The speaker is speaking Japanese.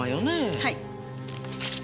はい。